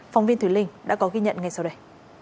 phóng viên thủy linh đã có ghi nhận ngay sau đây